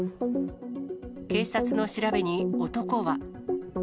警察の調べに、男は。